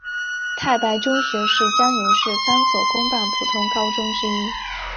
太白中学是江油市三所公办普通高中之一。